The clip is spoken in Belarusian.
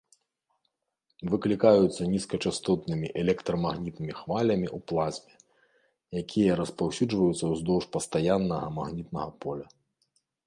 Выклікаюцца нізкачастотнымі электрамагнітнымі хвалямі ў плазме, якія распаўсюджваюцца ўздоўж пастаяннага магнітнага поля.